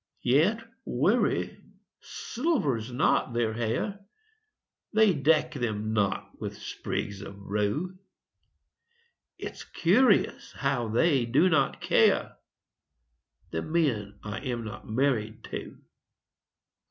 Yet worry silvers not their hair; They deck them not with sprigs of rue. It's curious how they do not care The men I am not married to.